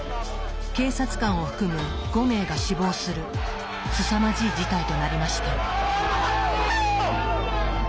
警察官を含む５名が死亡するすさまじい事態となりました。